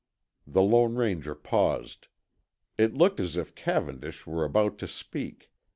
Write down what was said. The Lone Ranger paused. It looked as if Cavendish were about to speak.